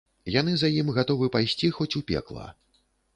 Яны за ім гатовы пайсці хоць у пекла.